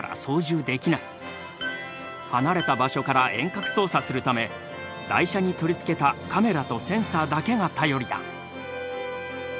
離れた場所から遠隔操作するため台車に取り付けたカメラとセンサーだけが頼りだ。